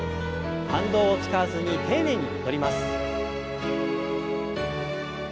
反動を使わずに丁寧に戻ります。